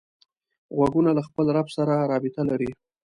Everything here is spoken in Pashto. غوږونه له خپل رب سره رابط لري